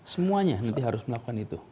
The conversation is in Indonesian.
semuanya nanti harus melakukan itu